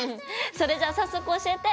それじゃ早速教えて！